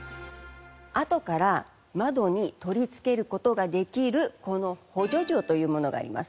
あとから窓に取り付ける事ができるこの補助錠というものがあります。